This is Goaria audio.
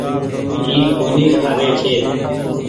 اي ڪونيٚ کآوي ڇي۔